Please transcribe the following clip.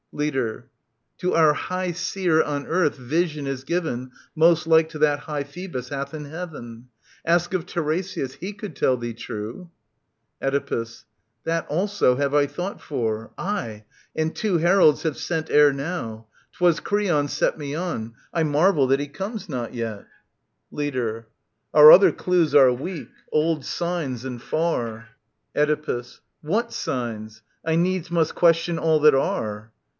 Leader. To our High Seer on earth vision is given Most like to that High Phoebus hath in heaven. Ask of Tiresias : he could tell thee true. Oedipus. » That also have I thought for. Aye, and two I Heralds have sent ere now. 'Twas Creon set Me on. — I marvel that he comes not yet. 16 VT. 890 301 OEDIPUS, KING OF THEBES Leader. Our other clues are weak, old signs and ^. Oedipus. What signs ? I needs must question all that arc.